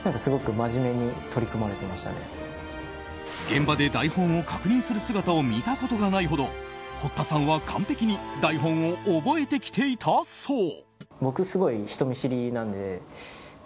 現場で台本を確認する姿を見たことがないほど堀田さんは完璧に台本を覚えてきていたそう。